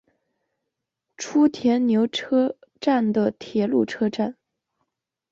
初田牛车站的铁路车站。